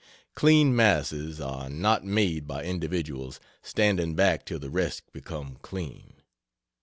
Clean masses are not made by individuals standing back till the rest become clean.